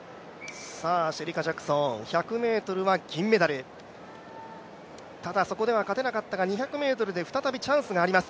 シェリカ・ジャクソン、１００ｍは銀メダル、ただ、そこでは勝てなかったが、２００ｍで再びチャンスがあります。